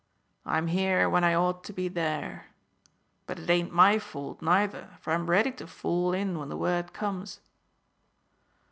I'm here when I ought to be there. But it ain't my fault neither, for I'm ready to fall in when the word comes."